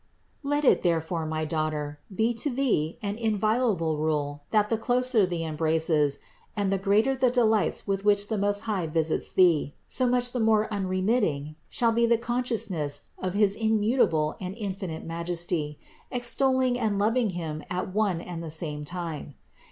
Let it therefore, my daughter, be to thee an invio lable rule that the closer the embraces, and the greater the delights with which the Most High visits thee, so much the more unremitting shall be the consciousness THE INCARNATION 443 of his immutable and infinite Majesty, extolling and loving1 Him at one and the same time.